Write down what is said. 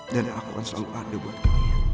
dan aku akan selalu ada buat kalian